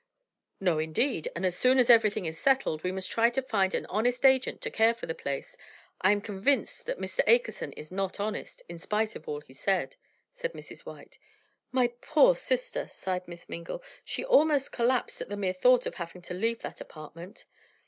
"No, indeed, and as soon as everything is settled, we must try to find an honest agent to care for the place. I am convinced that Mr. Akerson is not honest, in spite of all he said," said Mrs. White. "My poor sister!" sighed Miss Mingle. "She almost collapsed at the mere thought of having to leave that apartment."